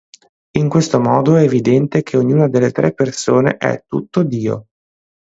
In questo modo, è evidente che ognuna delle Tre Persone è "tutto Dio".